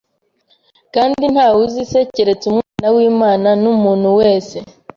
kandi ntawe uzi Se, keretse Umwana w’Imana n’umuntu wese